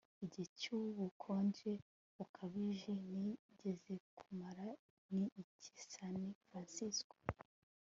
igihe cy'ubukonje bukabije nigeze kumara ni icyi i san francisco